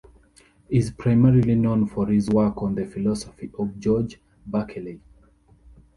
He is primarily known for his work on the philosophy of George Berkeley.